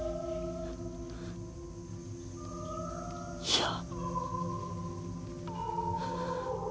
いや。